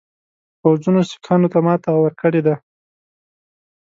پوځونو سیکهانو ته ماته ورکړې ده.